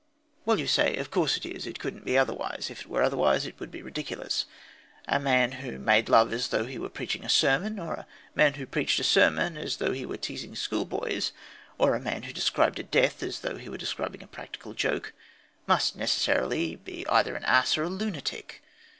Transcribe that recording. "Well," you say, "of course it is. It couldn't be otherwise. If it were otherwise it would be ridiculous. A man who made love as though he were preaching a sermon, or a man who preached a sermon as though he were teasing schoolboys, or a man who described a death as though he were describing a practical joke, must necessarily be either an ass or a lunatic."